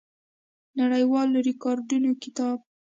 نړیوالو ریکارډونو کتاب